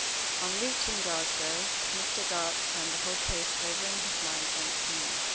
On reaching Glasgow, Mr. Dark turned the whole case over in his mind once more.